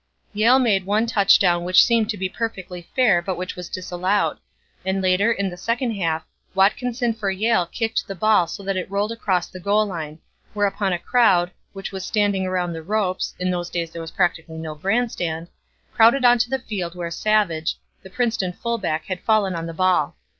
"Yale made one touchdown which seemed to be perfectly fair but which was disallowed; and later, in the second half, Watkinson for Yale kicked the ball so that it rolled across the goal line, whereupon a crowd, which was standing around the ropes (in those days there was practically no grandstand) crowded onto the field where Savage, the Princeton fullback had fallen on the ball.